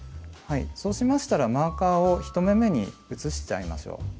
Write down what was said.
そうしましたらマーカーを１目めに移しちゃいましょう。